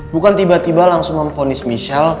bukan tiba tiba langsung memfonis michelle